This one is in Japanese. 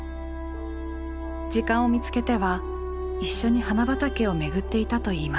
時間を見つけては一緒に花畑をめぐっていたといいます。